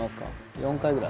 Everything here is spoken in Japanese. ４回ぐらい？